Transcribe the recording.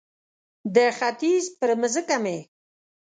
د ختیځ پر مځکه مې